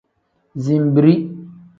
Zinbiri.